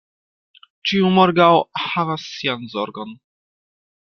Ĉiu morgaŭ havas sian zorgon.